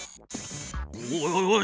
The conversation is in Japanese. おいおい